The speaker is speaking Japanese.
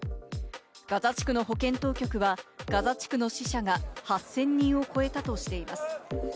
ガザ地区の保健当局は、ガザ地区の死者が８０００人を超えたとしています。